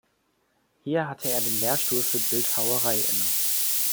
Hier hatte er den Lehrstuhl für Bildhauerei inne.